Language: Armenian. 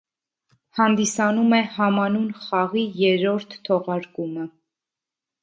Հանդիսանում է համանուն խաղի երրորդ թողարկումը։